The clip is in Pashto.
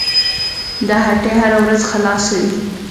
دا هټۍ هره ورځ خلاصه وي.